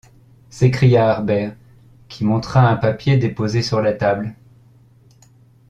s’écria Harbert, qui montra un papier déposé sur la table.